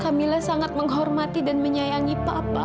kak mila sangat menghormati dan menyayangi papa